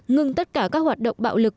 ngừng tất cả các hoạt động bạo lực